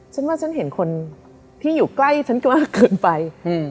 ฉันว่าฉันเห็นคนที่อยู่ใกล้ฉันมากเกินไป